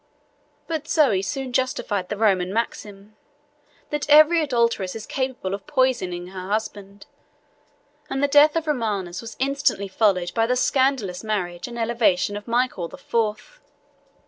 But Zoe soon justified the Roman maxim, that every adulteress is capable of poisoning her husband; and the death of Romanus was instantly followed by the scandalous marriage and elevation of Michael the Fourth.